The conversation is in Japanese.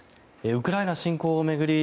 ウクライナ侵攻を巡り